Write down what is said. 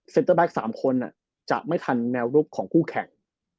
เตอร์แบ็ค๓คนจะไม่ทันแนวรุกของคู่แข่ง